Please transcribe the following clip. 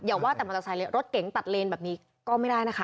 ว่าแต่มอเตอร์ไซค์เลยรถเก๋งตัดเลนแบบนี้ก็ไม่ได้นะคะ